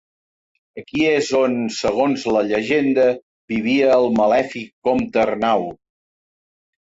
Aquí és on, segons la llegenda, vivia el malèfic comte Arnau.